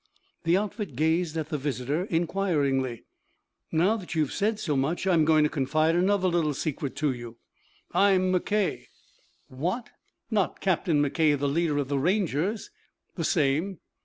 The outfit gazed at the visitor inquiringly. "Now that you have said so much I am going to confide another little secret to you. I'm McKay." "What? Not Captain McKay, the leader of the Rangers?" "The same."